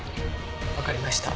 わかりました。